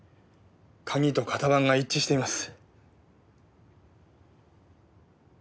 鍵と型番が一致しています。